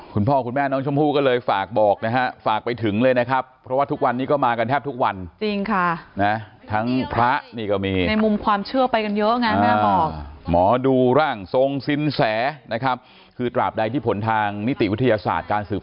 คุณพ่อคุณแม่น้องชมพู่ก็เลยฝากบอกนะฮะฝากไปถึงเลยนะครับเพราะว่าทุกวันนี้ก็มากันแทบทุกวันจริงค่ะนะทั้งพระนี่ก็มีในมุมความเชื่อไปกันเยอะไงแม่บอกหมอดูร่างทรงสินแสนะครับคือตราบใดที่ผลทางนิติวิทยาศาสตร์การสืบ